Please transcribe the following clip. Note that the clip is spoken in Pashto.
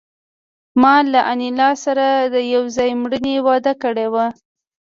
ما له انیلا سره د یو ځای مړینې وعده کړې وه